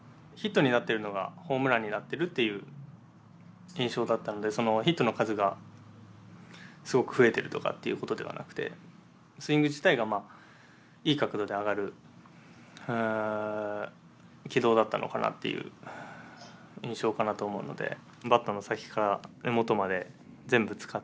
ヒットになってるのがホームランになってるっていう印象だったのでヒットの数がすごく増えてるとかっていうことではなくてスイング自体がいい角度で上がる軌道だったのかなっていう印象かなと思うので。